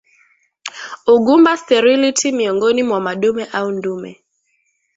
Ugumba sterility miongoni mwa madume au ndume